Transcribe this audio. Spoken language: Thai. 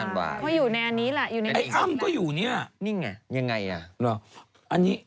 เพราะอยู่ในอันนี้ละอยู่ในอีกนิดนึงนี่ไงยังไงอ่ะ